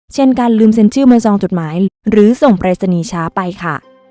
เช่นการลืมเซ็นชื่อมือซองจดหมายหรือส่งปรายศนีย์ช้าไปค่ะ